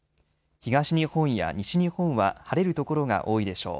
東日本や西日本は晴れる所が多いでしょう。